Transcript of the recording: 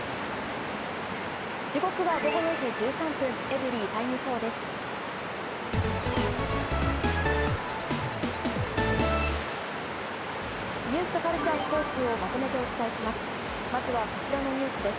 時刻は午後４時１３分、エブリィタイム４です。